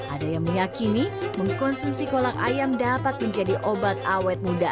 ada yang meyakini mengkonsumsi kolak ayam dapat menjadi obat awet muda